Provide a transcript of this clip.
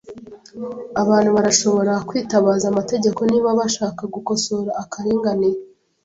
Abantu barashobora kwitabaza amategeko niba bashaka gukosora akarengane.